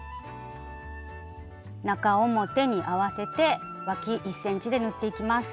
中表に合わせてわき１ｃｍで縫っていきます。